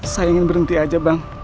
saya ingin berhenti aja bang